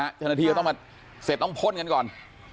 เห็นมั้ยฮะเจ้าหน้าที่ก็ต้องมาเสร็จต้องพ่นกันก่อน